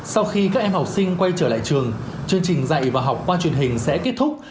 sau khi các em học sinh quay trở lại trường chương trình dạy và học qua truyền hình sẽ kết thúc